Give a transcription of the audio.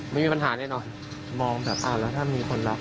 ไม่มีปัญหาแน่นอนมองแบบอ้าวแล้วถ้ามีคนรัก